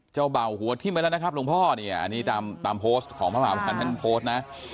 เบาหัวทิ้มไปแล้วนะครับหลวงพ่อเนี่ยอันนี้ตามโพสต์ของพระมหาภัยท่านโพสต์นะ